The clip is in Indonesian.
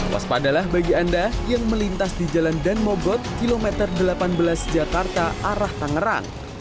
waspadalah bagi anda yang melintas di jalan dan mogot kilometer delapan belas jakarta arah tangerang